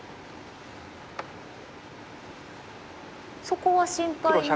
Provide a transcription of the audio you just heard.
そこは心配な。